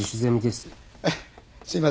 すみません。